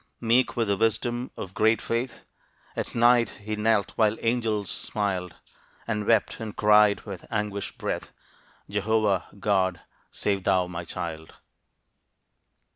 Meek with the wisdom of great faith, At night he knelt while angels smiled, And wept and cried with anguished breath, "Jehovah, God, save thou my child."